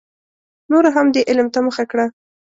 نورو هم دې علم ته مخه کړه.